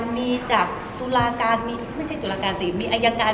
มีตุลาการไม่ใช่ตุลาการครับ